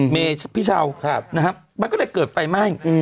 มันก็เลยเกิดไปไหม้